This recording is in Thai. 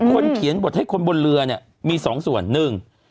คนเขียนบทให้คนบนเรือเนี่ยมีสองส่วนหนึ่ง